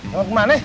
perut ibu sakit